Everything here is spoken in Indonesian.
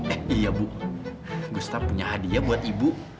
eh iya bu gusta punya hadiah buat ibu